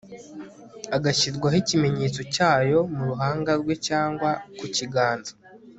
agashyirwaho ikimenyetso cyayo mu ruhanga rwe cyangwa ku kiganza